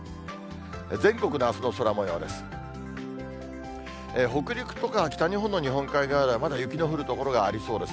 全国のあすの空もようです。